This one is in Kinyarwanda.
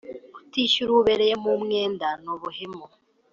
kutishyura uwo ubereyemo umwenda ni ubuhemu